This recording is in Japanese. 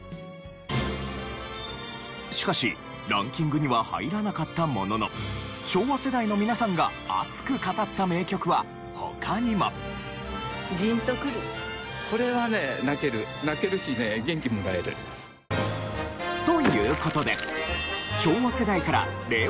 しかしランキングには入らなかったものの昭和世代の皆さんが熱く語った名曲は他にも。という事で。